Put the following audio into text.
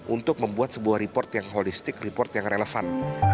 untuk membuat sebuah report yang holistik report yang relevan